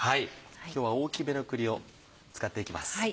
今日は大きめの栗を使っていきます。